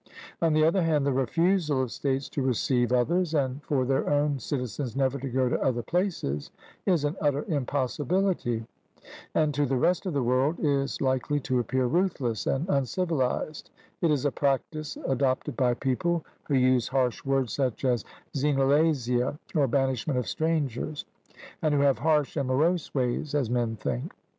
On the other hand, the refusal of states to receive others, and for their own citizens never to go to other places, is an utter impossibility, and to the rest of the world is likely to appear ruthless and uncivilised; it is a practice adopted by people who use harsh words, such as xenelasia or banishment of strangers, and who have harsh and morose ways, as men think.